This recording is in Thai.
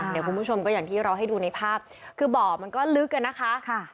เดี๋ยวคุณผู้ชมก็อย่างที่เราให้ดูในภาพคือบ่อมันก็ลึกอะนะคะ